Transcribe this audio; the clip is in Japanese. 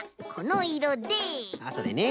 あっそれね。